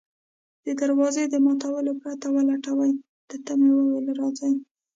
د دروازې د ماتولو پرته ولټوي، ده ته مې وویل: راځئ.